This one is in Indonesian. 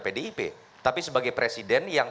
pdip tapi sebagai presiden yang